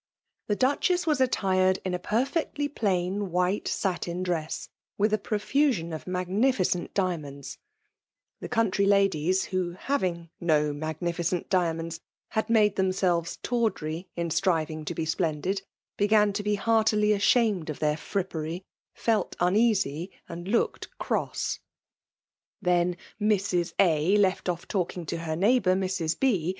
Tks Dudiess was attired in a perfectly fhim white satin dress, with a ptofiision of vmgmSf cent dianonds :—— the country ladies, who, having nao magnificent diamondB> had made Aemsdvet tawdry in striving to be sptewdid, — hcgaaio be heartily adhamed of their frippery, * fclt uneasy, and looked crosv. Then Mrs. A. left off talking to her neigh bour Mra B.